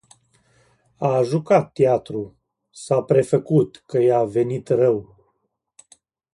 A jucat teatru, s-a prefăcut că i-a venit rău.